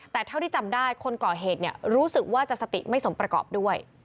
แต่เท่าที่จำได้คนก่อเหตุรู้สึกว่าจะสติไม่สมประกอบด้วย